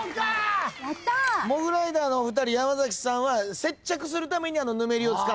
モグライダーの２人山崎さんは接着するためにぬめりを使ったって答え。